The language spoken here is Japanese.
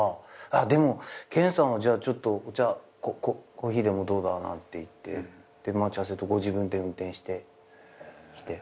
でも健さんは「じゃあちょっとコーヒーでもどうだ？」なんて言って待ち合わせるとご自分で運転してきて。